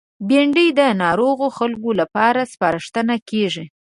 بېنډۍ د ناروغو خلکو لپاره سپارښتنه کېږي